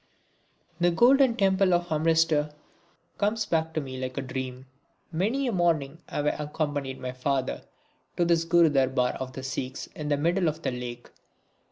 The golden temple of Amritsar comes back to me like a dream. Many a morning have I accompanied my father to this Gurudarbar of the Sikhs in the middle of the lake.